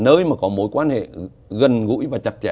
nơi mà có mối quan hệ gần gũi và chặt chẽ